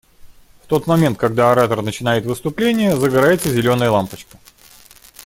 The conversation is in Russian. В тот момент, когда оратор начинает выступление, загорается зеленая лампочка.